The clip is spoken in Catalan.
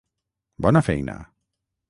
Bona feina.